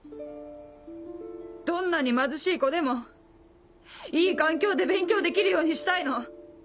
どんなに貧しい子でもいい環境で勉強できるようにしたいの。